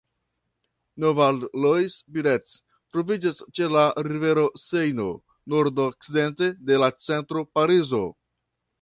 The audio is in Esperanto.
Levallois-Perret troviĝas ĉe la rivero Sejno, nordokcidente de la centro Parizo.